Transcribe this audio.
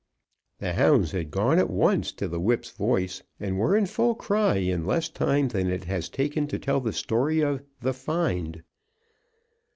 The hounds had gone at once to the whip's voice, and were in full cry in less time than it has taken to tell the story of "the find."